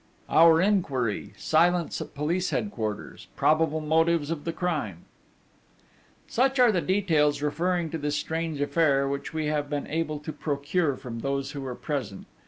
Our Inquiry Silence at Police Headquarters Probable Motives of the Crime Such are the details referring to this strange affair, which we have been able to procure from those who were present.